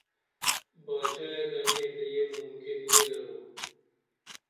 باچائے گنے تہ یہ ممکن نی درو